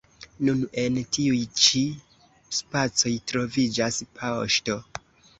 Nun en tiuj ĉi spacoj troviĝas poŝto.